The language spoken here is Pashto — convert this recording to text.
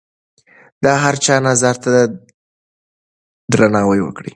د هر چا نظر ته درناوی وکړئ.